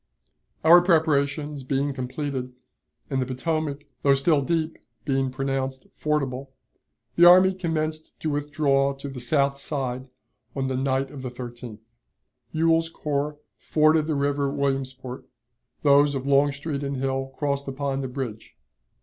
Our preparations being completed, and the Potomac, though still deep, being pronounced fordable, the army commenced to withdraw to the south side on the night of the 13th. Ewell's corps forded the river at Williamsport, those of Longstreet and Hill crossed upon the bridge.